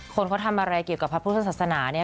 คนเขาทำอะไรเกี่ยวกับพระพุทธศาสนาเนี่ย